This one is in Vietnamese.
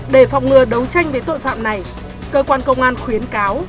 để phòng ngừa đấu tranh với tội phạm này cơ quan công an khuyến cáo